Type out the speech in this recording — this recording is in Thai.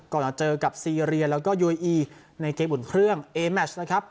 ก่อนจะเจอกับซีเรียแล้วก็ยูเออีในเกมอุ่นเครื่องเอแมชนะครับ